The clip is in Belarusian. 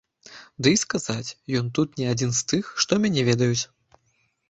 Ды і сказаць, ён тут не адзін з тых, што мяне ведаюць.